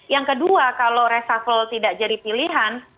yang kedua kalau reshuffle tidak jadi pilihan